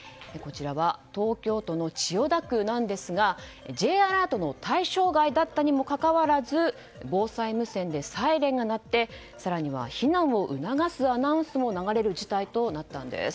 東京都の千代田区なんですがＪアラートの対象外だったにもかかわらず防災無線でサイレンが鳴って更には避難を促すアナウンスも流れる事態になったんです。